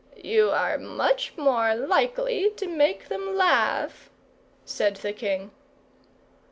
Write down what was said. "You are much more likely to make them laugh," said the king.